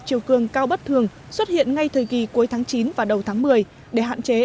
chiều cường cao bất thường xuất hiện ngay thời kỳ cuối tháng chín và đầu tháng một mươi để hạn chế